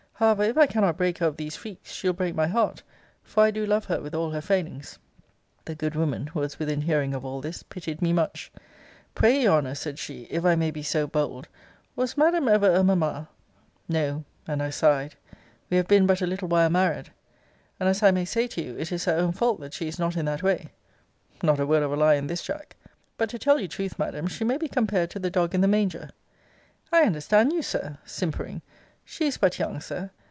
However, if I cannot break her of these freaks, she'll break my heart; for I do love her with all her failings. The good woman, who was within hearing of all this, pitied me much. Pray, your Honour, said she, if I may be so bold, was madam ever a mamma? No [and I sighed.] We have been but a little while married; and as I may say to you, it is her own fault that she is not in that way. [Not a word of a lie in this, Jack.] But to tell you truth, Madam, she may be compared to the dog in the manger I understand you, Sir, [simpering,] she is but young, Sir.